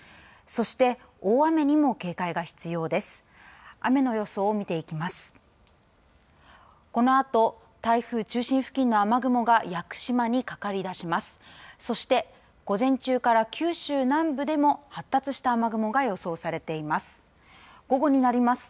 そして午前中から九州南部でも発達した雨雲が予想されています。